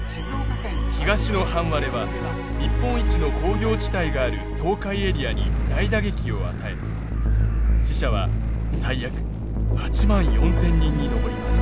東の半割れは日本一の工業地帯がある東海エリアに大打撃を与え死者は最悪８万４，０００人に上ります。